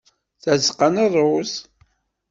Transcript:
Tazeqqa n rruz.